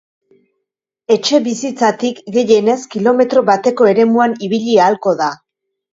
Etxebizitzatik gehienez kilometro bateko eremuan ibili ahalko da.